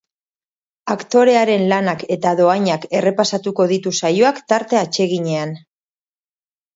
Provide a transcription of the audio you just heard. Aktorearen lanak eta dohainak errepasatuko ditu saioak tarte atseginean.